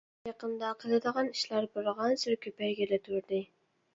يېقىندا قىلىدىغان ئىشلار بارغانسېرى كۆپەيگىلى تۇردى.